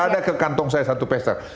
tidak ada ke kantong saya satu peser